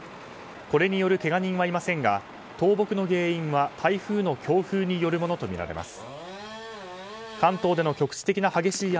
これによるけが人はいませんが倒木の原因は台風の強風によるものとみられます。